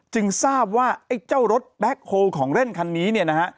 ทราบว่าไอ้เจ้ารถแบ็คโฮลของเล่นคันนี้เนี่ยนะฮะ